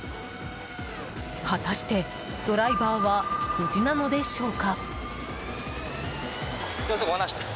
果たして、ドライバーは無事なのでしょうか？